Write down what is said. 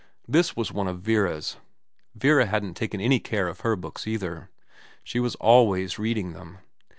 This was one of Vera's, Vera hadn't taken any care of her books either ; she was always reading them.